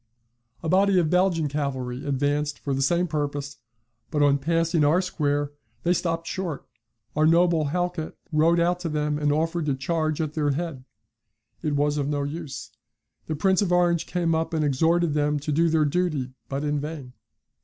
A body of Belgian cavalry advanced for the same purpose, but on passing our square, they stopped short. Our noble Halkett rode out to them and offered to charge at their head; it was of no use; the Prince of Orange came up and exhorted them to do their duty, but in vain.